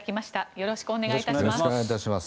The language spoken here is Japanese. よろしくお願いします。